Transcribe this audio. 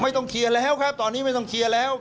ต้องเคลียร์แล้วครับตอนนี้ไม่ต้องเคลียร์แล้ว